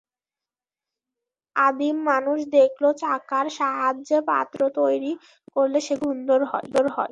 আদিম মানুষ দেখল, চাকার সাহাযে্য পাত্র তৈরি করলে সেগুলো বেশ সুন্দর হয়।